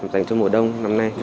dành cho mùa đông năm nay